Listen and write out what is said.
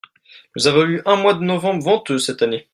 Nous avons eu un mois de novembre venteux cette année.